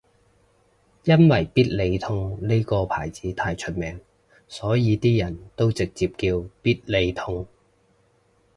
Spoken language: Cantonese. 因為必理痛呢個牌子太出名所以啲人都直接叫必理痛